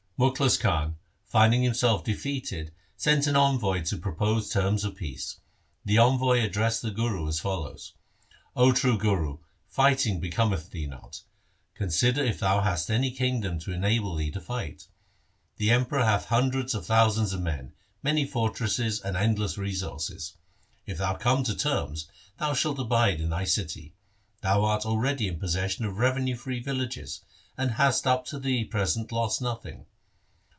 Mukhlis Khan finding himself defeated sent an envoy to propose terms of peace. The envoy addressed the Guru as follows :—' O true Guru, fighting becometh thee not. Consider if thou hast any kingdom to enable thee to fight. The Emperor hath hundreds of thousands of men, many fortresses, and endless resources. If thou come to terms, thou shalt abide in thy city. Thou art already in pos session of revenue free villages, and hast up to the present lost nothing.